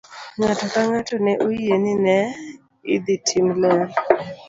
Ng'ato ka ng'ato ne oyie ni ne idhi tim ler.